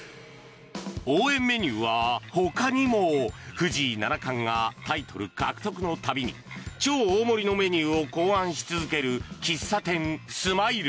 応援メニューはほかにも。藤井七冠がタイトル獲得の度に超大盛りのメニューを考案し続ける喫茶店スマイル。